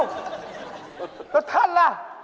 แล้วท่านล่ะ